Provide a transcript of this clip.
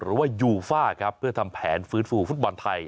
หรือว่ายูฟ่าครับเพื่อทำแผนฟื้นฟูฟุตบอลไทย